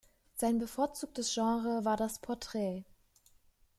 Sein bevorzugtes Genre war das Porträt.